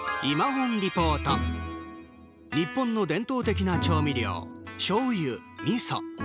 日本の伝統的な調味料しょうゆ、みそ。